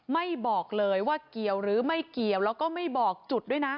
ไม่บอกเลยว่าเกี่ยวหรือไม่เกี่ยวแล้วก็ไม่บอกจุดด้วยนะ